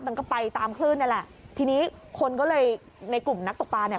มันก็ไปตามคลื่นนั่นแหละทีนี้คนก็เลยในกลุ่มนักตกปลาเนี่ย